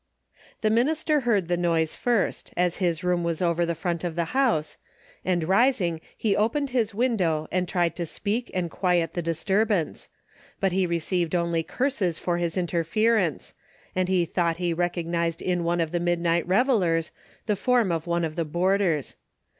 The minister heard the noise first, as his room Avas over the front of the house, and ris ing he opened his Avindow and tried to speak and quiet the disturbance, but he received only curses for his interference, and he thought he recognized in one of the midnight revelers the form of one of the boarders.